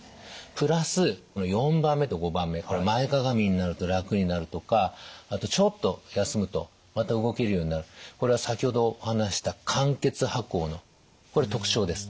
プラスこの④番目と⑤番目前かがみになると楽になるとかあとちょっと休むとまた動けるようになるこれは先ほどお話しした間欠跛行の特徴です。